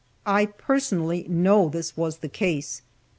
I personally know that this was the case.